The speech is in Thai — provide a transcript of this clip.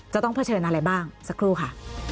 ต้องเผชิญอะไรบ้างสักครู่ค่ะ